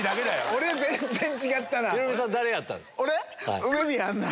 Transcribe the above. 俺全然違ったな。